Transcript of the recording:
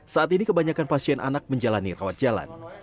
saat ini kebanyakan pasien anak menjalani rawat jalan